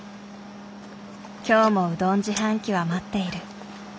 今日もうどん自販機は待っている。